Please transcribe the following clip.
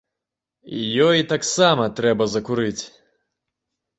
Ёй таксама трэба закурыць.